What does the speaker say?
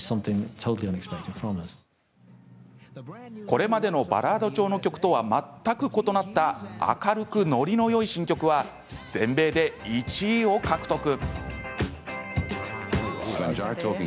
これまでのバラード調の曲とは全く異なった明るく、のりのよい新曲は全米で１位を獲得。